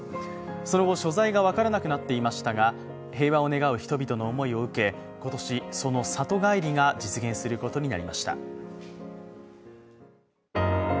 その後、所在が分からなくなっていましたが、平和を願う人々の思いを受け今年、その里帰りが実現することになりました。